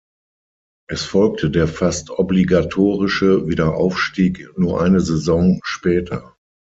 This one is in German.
Es folgte der fast obligatorische Wiederaufstieg nur eine Saison später.